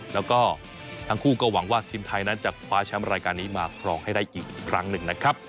แล้วก็ทั้งคู่ก็หวังว่าทีมไทยนั้นจะคว้าแชมป์รายการนี้มาครองให้ได้อีกครั้งหนึ่งนะครับ